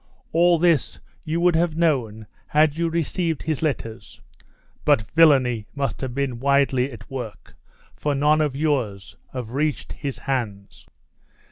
All this you would have known had you received his letters; but villainy must have been widely at work, for none of yours have reached his hands."